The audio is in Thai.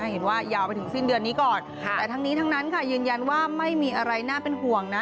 ยาวไปถึงสิ้นเดือนนี้ก่อนแต่ทั้งนี้ทั้งนั้นค่ะยืนยันว่าไม่มีอะไรน่าเป็นห่วงนะ